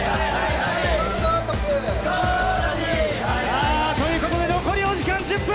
さあということで残りお時間１０分